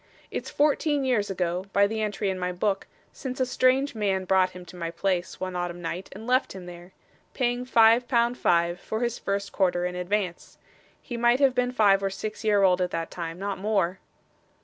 'It's fourteen years ago, by the entry in my book, since a strange man brought him to my place, one autumn night, and left him there; paying five pound five, for his first quarter in advance. He might have been five or six year old at that time not more.